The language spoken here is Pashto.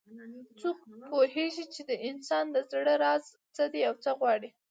څوک پوهیږي چې د انسان د زړه راز څه ده او څه غواړي